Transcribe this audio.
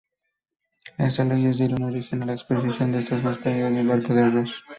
Estas leyendas dieron origen la expresión "estar más perdido que el barco del arroz.